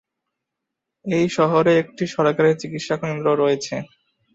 এই শহরে সরকারি একটি চিকিৎসা কেন্দ্র রয়েছে।